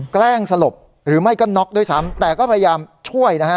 แกล้งสลบหรือไม่ก็น็อกด้วยซ้ำแต่ก็พยายามช่วยนะฮะ